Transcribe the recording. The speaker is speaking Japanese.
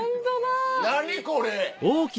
何これ！